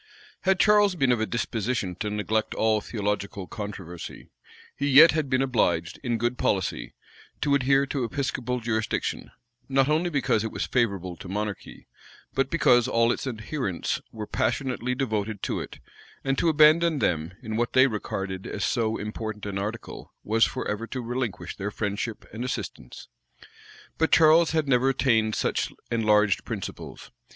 Had Charles been of a disposition to neglect all theological controversy, he yet had been obliged, in good policy, to adhere to episcopal jurisdiction; not only because it was favorable to monarchy, but because all its adherents were passionately devoted to it; and to abandon them, in what they regarded as so important an article, was forever to relinquish their friendship and assistance. But Charles had never attained such enlarged principles.